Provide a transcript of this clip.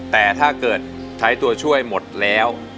แต่ถ้าเกิดใช้ตัวช่วยหมดแล้ว